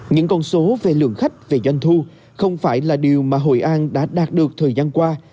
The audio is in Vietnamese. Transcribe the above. những con số về lượng khách về doanh thu không phải là điều mà hội an đã đạt được thời gian qua